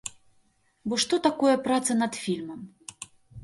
Бо што такое праца над фільмам?